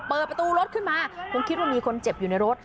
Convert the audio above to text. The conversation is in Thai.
เปิดประตูรถขึ้นมาคงคิดว่ามีคนเจ็บอยู่ในรถ